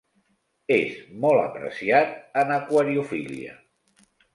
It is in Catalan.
És molt apreciat en aquariofília.